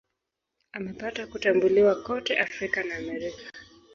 Amepata kutambuliwa kote Afrika na Amerika.